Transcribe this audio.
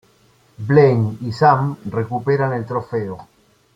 Blaine y Sam recuperan el trofeo.